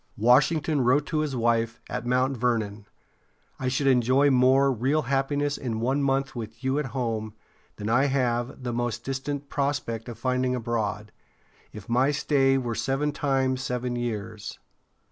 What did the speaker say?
Washington wrote to his wife, at Mount Vernon: "I should enjoy more real happiness in one month with you at home than I have the most distant prospect of finding abroad, if my stay were seven times seven years."